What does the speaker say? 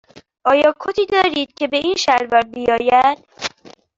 آیا کتی دارید که به این شلوار بیاید؟